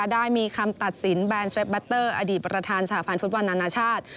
ได้มีคำตัดสินแบนเฟฟบัตเตอร์อดีตประธานสาพันธ์ฟุตบอลนานาชาติ